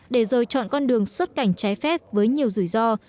để rồi chọn con đường xuất cảnh trái phép với nhiều rủi ro